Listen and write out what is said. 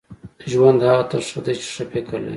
• ژوند هغه ته ښه دی چې ښه فکر لري.